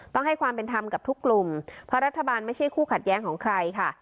ต้องให้ความเป็นธรรมกับทุกกลุ่มเพราะรัฐบาลไม่ใช่คู่ขัดแย้งของใครค่ะ